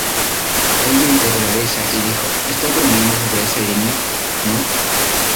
Él gritó de la risa, Y dijo: "Estás bromeando sobre esa línea, ¿no?".